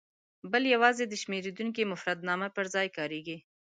بل یوازې د شمېرېدونکي مفردنامه پر ځای کاریږي.